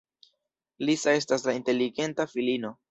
Lisa estas la inteligenta filino.